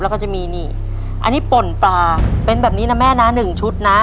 แล้วก็จะมีนี่อันนี้ป่นปลาเป็นแบบนี้นะแม่นะหนึ่งชุดนะ